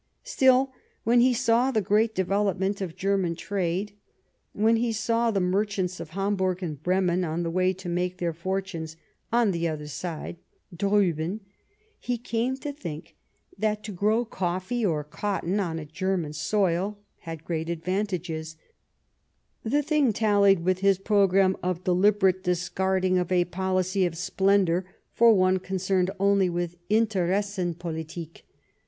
Still, when he saw the great development of German trade, when he saw the merchants of Hamburg and Bremen on the way to make their fortunes "on the other side " [Driiben) he came to think that to grow coffee or cotton on a German soil had great advantages ; the thing tallied with his programme of deliberate discarding of a policy 211 Bismarck of splendour for one concerned only with Inter essen Politik.